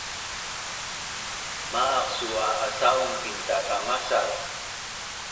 Ma’aq su’ a asa’un pintatamasaz?